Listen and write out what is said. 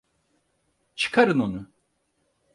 Çıkarın onu!